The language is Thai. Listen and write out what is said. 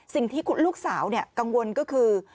สิ่งที่ลูกสาวกังวลก็คือ